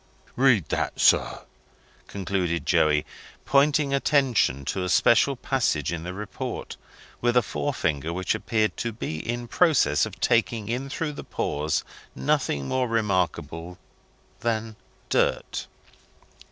Read that, sir," concluded Joey, pointing attention to a special passage in the report, with a forefinger which appeared to be in process of taking in through the pores nothing more remarkable than dirt.